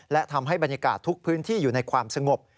และทำให้บรรยากาศทุกพื้นที่อยู่ในความสงบ